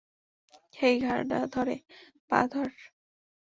হেই, ঘাড় না ধরে, পা ধর।